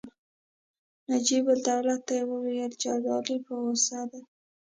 نجیب الدوله ته وویل چې ابدالي په غوسه دی.